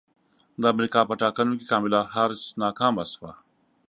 د امریکا په ټاکنو کې کاملا حارس ناکامه شوه